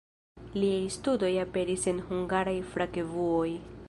Liaj studoj aperis en hungaraj fakrevuoj.